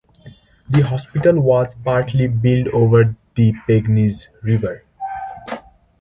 The hospital was partly built over the Pegnitz river.